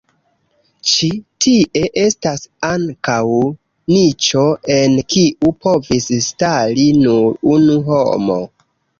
Ĉi tie estas ankaŭ niĉo, en kiu povis stari nur unu homo.